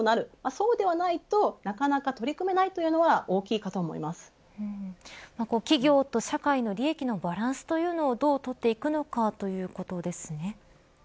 そうではないとなかなか取り組めないというのは企業と社会の利益のバランスというのをどう取るかということですね。